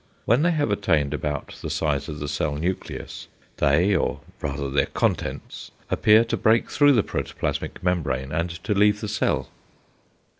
When they have attained about the size of the cell nucleus, they, or rather their contents, appear to break through the protoplasmic membrane and to leave the cell.